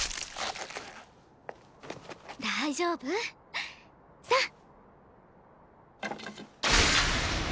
大丈夫？さあ。